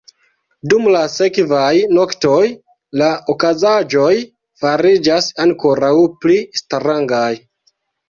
Dum la sekvaj noktoj, la okazaĵoj fariĝas ankoraŭ pli strangaj.